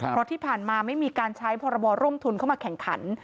เพราะที่ผ่านมาไม่มีการใช้พรบร่มทุนเข้ามาแข่งขัน